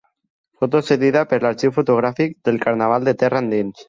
Foto cedida per l'arxiu fotogràfic del Carnaval de Terra Endins.